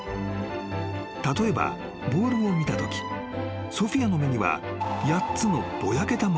［例えばボールを見たときソフィアの目には８つのぼやけた丸が見える］